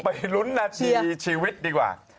ไปลุ้นนาทีชีวิตดีกว่า